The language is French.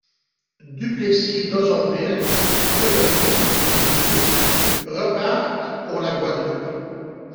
Duplessis d'Ossonville, de l'Olive, et du Buc repartent pour la Guadeloupe.